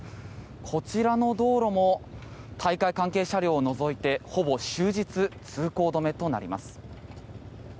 こちらの道路も大会関係車両を除いてほぼ終日通行止めとなります。